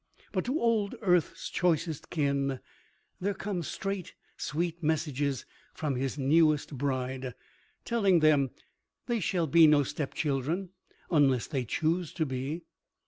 But to old earth's choicest kin there come straight, sweet messages from his newest bride, telling them they shall be no stepchildren unless they choose to be.